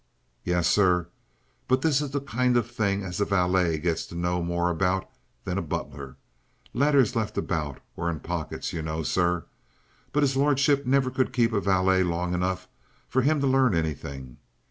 "Yes, sir. But this is the kind of thing as a valet gets to know about more than a butler letters left about, or in pockets, you know, sir. But his lordship never could keep a valet long enough for him to learn anything.